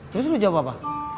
terus lo jawab apa